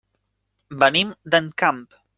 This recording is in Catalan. Venim d'Encamp.